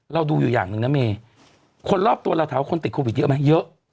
เราดูอยู่อย่างหนึ่งนะเมย์คนรอบตัวเราถามว่าคนติดโควิดเยอะไหมเยอะ